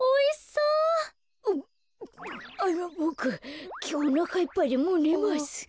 うっあのボクきょうおなかいっぱいでもうねます。